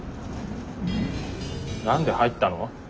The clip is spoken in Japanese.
・何で入ったの？